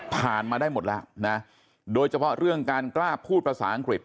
ผ่านมาได้หมดแล้วนะโดยเฉพาะเรื่องการกล้าพูดภาษาอังกฤษ